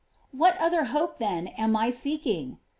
What other hope then am I seeking